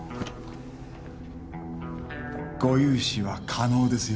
ご融資は可能ですよ